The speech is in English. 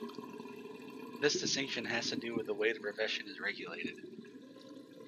This distinction has to do with the way the profession is regulated.